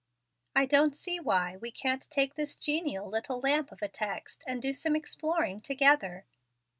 I don't see why we can't take this genial little lamp of a text, and do some exploring together.